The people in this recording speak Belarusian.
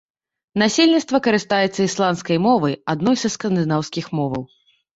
Насельніцтва карыстаецца ісландскай мовай, адной са скандынаўскіх моваў.